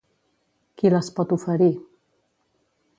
Qui les pot oferir?